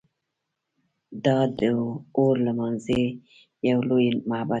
دا د اور لمانځنې یو لوی معبد و